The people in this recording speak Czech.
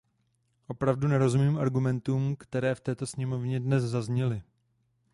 Opravdu nerozumím argumentům, které v této sněmovně dnes zazněly.